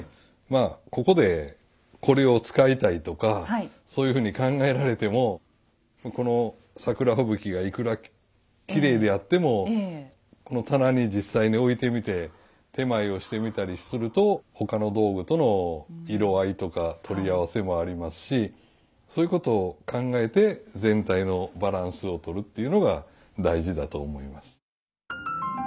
まあここでこれを使いたいとかそういうふうに考えられてもこの桜吹雪がいくらきれいであってもこの棚に実際に置いてみて点前をしてみたりすると他の道具との色合いとか取り合わせもありますしそういうことを考えて全体のバランスを取るっていうのが大事だと思います。